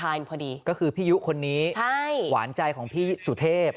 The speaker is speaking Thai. อยู่พอดีก็คือพี่ยุคนนี้ใช่หวานใจของพี่สุเทพ